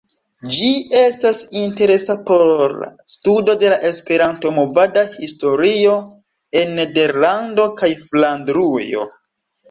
Ĝi estas interesa por la studo de la Esperanto-movada historio en Nederlando kaj Flandrujo.